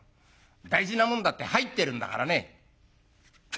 大事なもんだって入ってるんだからね」。